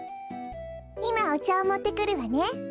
いまおちゃをもってくるわね。